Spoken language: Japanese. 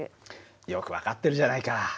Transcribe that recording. よく分かってるじゃないか。